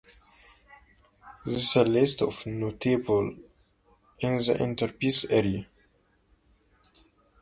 This is an incomplete list of notable residents in the Enterprise area.